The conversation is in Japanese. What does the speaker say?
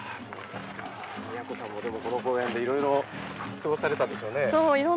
都さんも、この公園でいろいろと過ごされたんでしょう。